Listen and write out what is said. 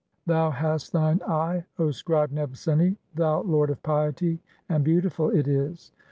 Thou hast thine "eye, O scribe Nebseni, thou lord of piety, and beautiful it is.